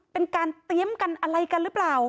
เป็นการเตรียมกันอะไรกันหรือเปล่า